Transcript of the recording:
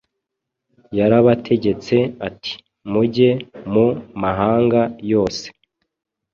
Yarabategetse ati, “Mujye mu mahanga yose.